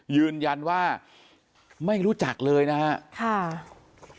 ยืนยันว่าไม่รู้จักเลยนะครับ